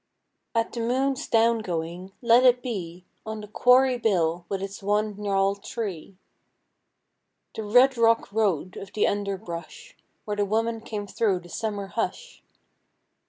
At the moon's down going, let it be On the quarry bill with its one gnarled tree.... The red rock road of the underbrush, Where the woman came through the summer hush.